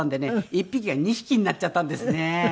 １匹が２匹になっちゃったんですね。